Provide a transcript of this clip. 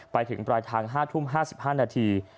ไปถึงปลายทาง๕ทุ่ม๕๕นาที